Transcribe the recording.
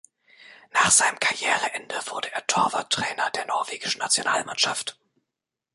Nach seinem Karriereende wurde er Torwarttrainer der norwegischen Nationalmannschaft.